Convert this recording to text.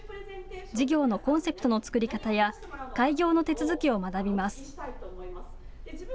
事業のコンセプトの作り方や開業の手続きを学びます。